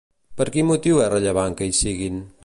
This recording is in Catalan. Per quin motiu és rellevant que hi siguin?